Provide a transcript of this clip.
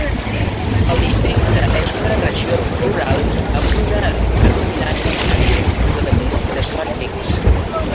El districte és una regió rural amb una predominant agricultura de productes làctics.